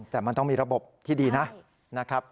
แต่มันต้องมีระบบที่ดีนะครับ